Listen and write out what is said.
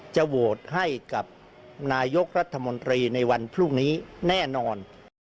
จะโหวตให้กับนายกรัฐมนตรีในวันพรุ่งนี้แน่นอน